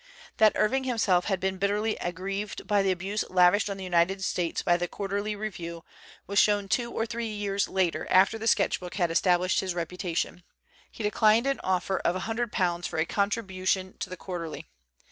That Irving himself had been bitterly aggrieved by the abuse lavished on the United States by the Quarterly Review was shown two or three years later after the 'Sketch Book ' had established his reputation; he declined an offer of a hundred pounds for a contribution to the Quarterly.